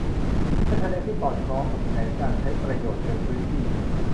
ในทะเลที่สอดคล้องกับแผนการใช้ประโยชน์เชิงพื้นที่